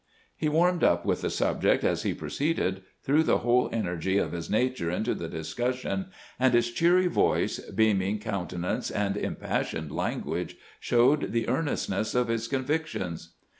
He warmed up with the subject as he proceeded, threw the whole energy of his nature into the discussion, and his cheery voice, beaming countenance, and im passioned language showed the earnestness of his con victions.